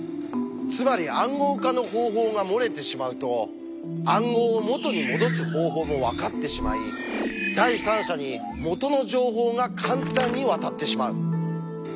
つまり「暗号化の方法」が漏れてしまうと暗号を「元にもどす方法」もわかってしまい第三者に「元の情報」が簡単に渡ってしまう。